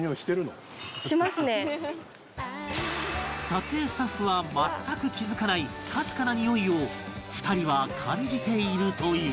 撮影スタッフは全く気付かないかすかなにおいを２人は感じているという